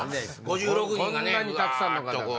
こんなにたくさんの方が。